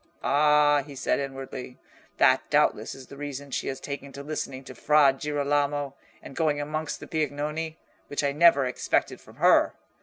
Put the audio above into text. "Ah," he said, inwardly, "that doubtless is the reason she has taken to listening to Fra Girolamo, and going amongst the Piagnoni, which I never expected from her.